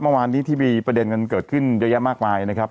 เมื่อวานนี้ที่มีประเด็นกันเกิดขึ้นเยอะแยะมากมายนะครับ